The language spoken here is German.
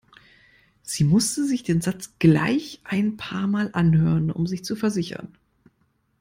Sie musste sich den Satz gleich ein paarmal anhören, um sich zu versichern.